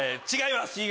違います。